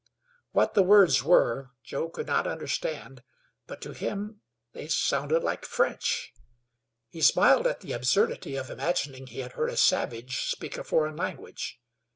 What the words were Joe could not understand, but to him they sounded like French. He smiled at the absurdity of imagining he had heard a savage speak a foreign language.